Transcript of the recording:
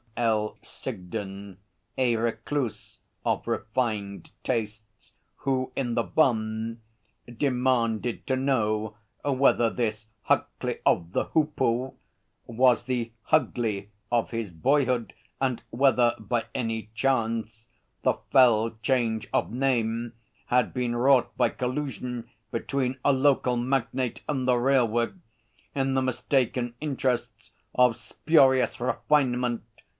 L. Sigden, a recluse of refined tastes who in The Bun demanded to know whether this Huckley of the Hoopoe was the Hugly of his boyhood and whether, by any chance, the fell change of name had been wrought by collusion between a local magnate and the railway, in the mistaken interests of spurious refinement.